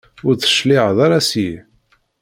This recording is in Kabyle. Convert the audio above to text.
Ur d-tecliɛeḍ ara seg-i?